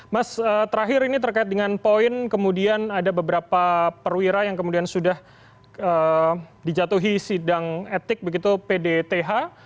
mas terakhir ini terkait dengan poin kemudian ada beberapa perwira yang kemudian sudah dijatuhi sidang etik begitu pdth